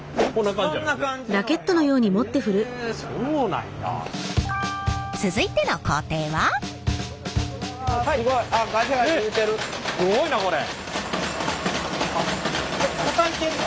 すごいなこれ。